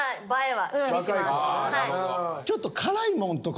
ちょっと。